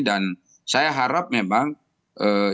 dan saya harap memang ini tidak terlalu dibesarkan gitu